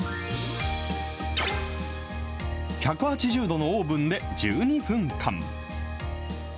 １８０度のオーブンで１２分間。